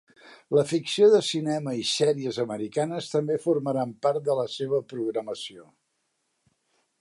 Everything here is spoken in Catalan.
La ficció de cinema i sèries americanes també formaran part de la seva programació.